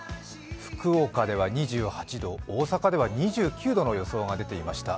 福岡では２８度、大阪では２９度の予想が出ていました。